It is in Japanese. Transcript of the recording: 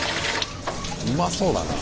うまそうだな！